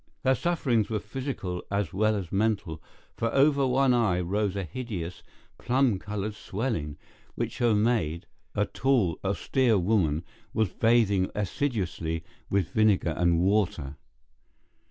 Her sufferings were physical as well as mental, for over one eye rose a hideous, plum coloured swelling, which her maid, a tall, austere woman, was bathing assiduously with vinegar and water.